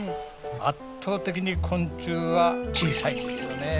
圧倒的に昆虫は小さいんですよね。